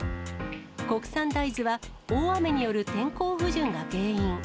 国産大豆は大雨による天候不順が原因。